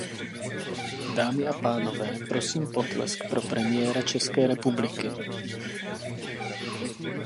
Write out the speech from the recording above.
Dámy a pánové, prosím potlesk pro premiéra České republiky.